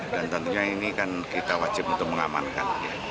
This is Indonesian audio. dan tentunya ini kan kita wajib untuk mengamankan